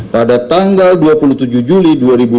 pada tanggal dua puluh tujuh juli dua ribu dua puluh